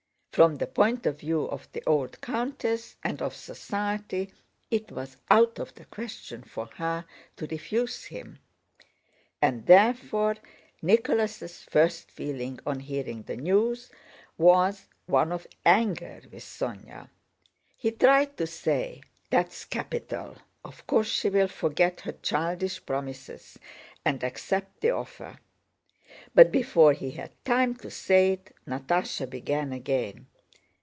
From the point of view of the old countess and of society it was out of the question for her to refuse him. And therefore Nicholas' first feeling on hearing the news was one of anger with Sónya.... He tried to say, "That's capital; of course she'll forget her childish promises and accept the offer," but before he had time to say it Natásha began again.